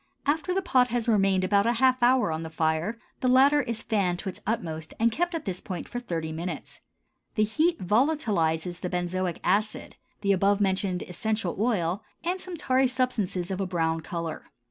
After the pot has remained about half an hour on the fire, the latter is fanned to its utmost and kept at this point for thirty minutes. The heat volatilizes the benzoic acid, the above mentioned essential oil, and some tarry substances of a brown color.